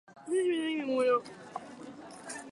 El pagès ha dit ben clarament que els kiwis venien de França.